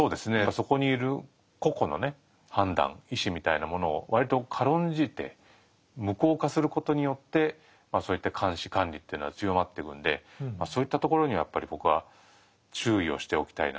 そこにいる個々の判断意思みたいなものを割と軽んじて無効化することによってそういった監視・管理っていうのは強まってくんでそういったところにやっぱり僕は注意をしておきたいな。